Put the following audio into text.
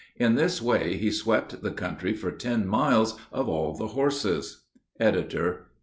In this way he swept the country for ten miles of all the horses." EDITOR.